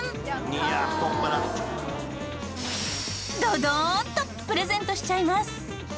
「いやあ太っ腹」ドドーンとプレゼントしちゃいます！